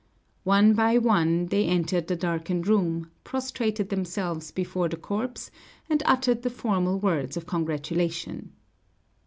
One by one they entered the darkened room, prostrated themselves before the corpse, and uttered the formal words of congratulation.